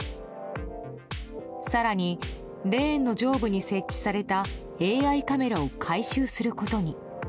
更に、レーンの上部に設置されたＡＩカメラを改修することに。